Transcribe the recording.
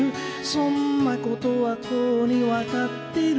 「そんなことはとうに解ってる」